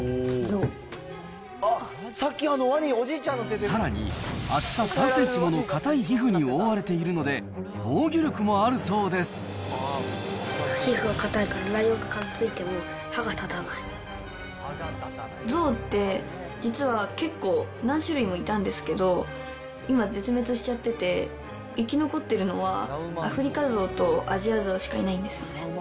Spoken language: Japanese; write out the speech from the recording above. ワニ、さらに、厚さ３センチもの硬い皮膚に覆われているので、防御力もあるそう皮膚が硬いから、ライオンがかみついても、ゾウって、実は結構、何種類もいたんですけど、今、絶滅しちゃってて、生き残ってるのは、アフリカゾウとアジアゾウしかいないんですよね。